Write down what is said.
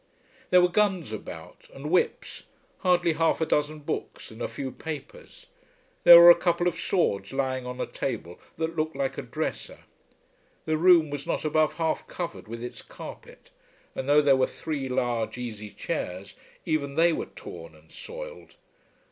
There were guns about, and whips, hardly half a dozen books, and a few papers. There were a couple of swords lying on a table that looked like a dresser. The room was not above half covered with its carpet, and though there were three large easy chairs, even they were torn and soiled.